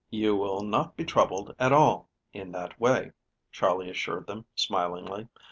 "You will not be troubled at all in that way," Charley assured them smilingly.